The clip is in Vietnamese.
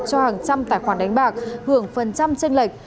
cho hàng trăm tài khoản đánh bạc hưởng phần trăm tranh lệch